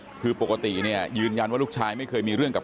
อายุ๑๐ปีนะฮะเขาบอกว่าเขาก็เห็นถูกยิงนะครับ